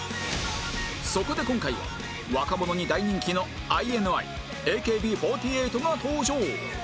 そこで今回は若者に大人気の ＩＮＩＡＫＢ４８ が登場